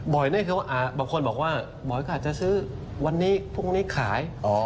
นี่คือบางคนบอกว่าบ่อยก็อาจจะซื้อวันนี้พรุ่งนี้ขาย